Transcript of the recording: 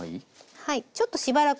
はい。